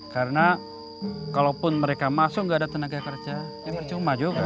karena kalaupun mereka masuk tidak ada tenaga kerja ini percuma juga